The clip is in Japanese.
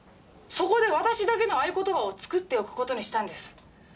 そこで私だけの合言葉を作っておく事にしたんです。